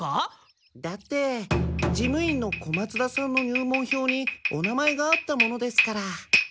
だって事務員の小松田さんの入門票にお名前があったものですから。